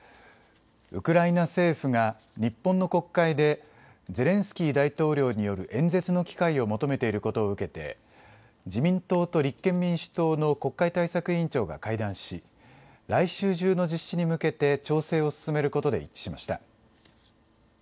ウクライナ政府が日本の国会で、ゼレンスキー大統領による演説の機会を求めていることを受けて、自民党と立憲民主党の国会対策委員長が会談し、来週中の実施に向けて調整を進めることで一致しました。